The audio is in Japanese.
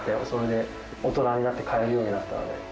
それで大人になって買えるようになったので。